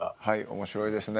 面白いですね。